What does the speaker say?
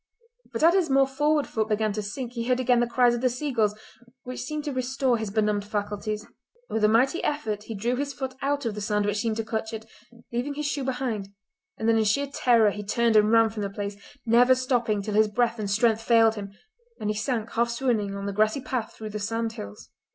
But as his more forward foot began to sink he heard again the cries of the seagulls which seemed to restore his benumbed faculties. With a mighty effort he drew his foot out of the sand which seemed to clutch it, leaving his shoe behind, and then in sheer terror he turned and ran from the place, never stopping till his breath and strength failed him, and he sank half swooning on the grassy path through the sandhills.